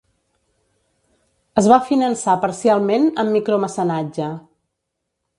Es va finançar parcialment amb micromecenatge.